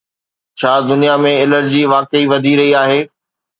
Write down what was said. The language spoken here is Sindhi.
ڇا دنيا ۾ الرجي واقعي وڌي رهي آهي؟